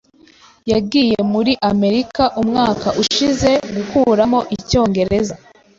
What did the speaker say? Yagiye muri Amerika umwaka ushize gukuramo icyongereza.